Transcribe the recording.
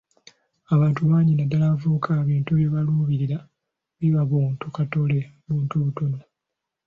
Abantu bangi naddala abavubuka ebintu bye baluubirira biba buntu katole, buntu butono.